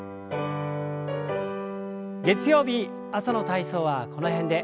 月曜日朝の体操はこの辺で。